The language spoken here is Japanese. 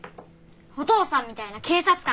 お父さんみたいな警察官。